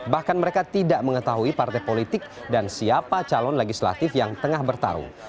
bahkan mereka tidak mengetahui partai politik dan siapa calon legislatif yang tengah bertarung